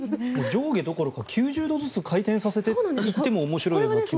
上下どころか９０度ずつ回転させていっても面白い気がします。